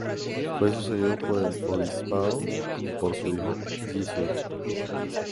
Fue sucedido en el obispado por su hijo Gissur.